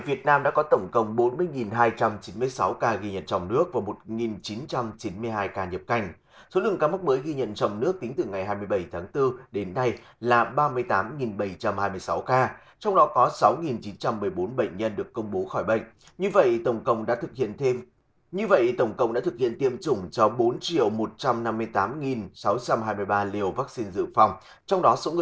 xin chào và hẹn gặp lại trong các video tiếp theo